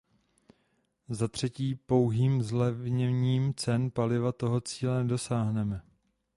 Zatřetí, pouhým zlevněním cen paliva tohoto cíle nedosáhneme.